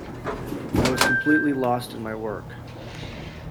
I was completely lost in my work.